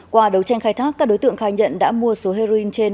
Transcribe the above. qua đấu tranh khai thác các đối tượng khai nhận đã mua số heroin trên